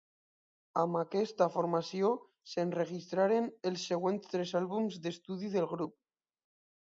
Amb aquesta formació, s'enregistraren els següents tres àlbums d'estudi del grup.